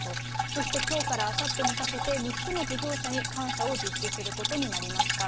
そして、きょうからあさってにかけて、３つの事業者に監査を実施することになりました。